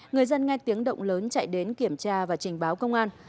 người dân nghe tiếng động lớn chạy đến kiểm tra và trình báo công an